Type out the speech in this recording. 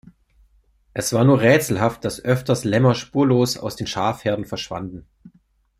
Es war nur rätselhaft, dass öfters Lämmer spurlos aus den Schafherden verschwanden.